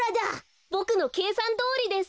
ボクのけいさんどおりです。